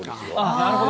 なるほど。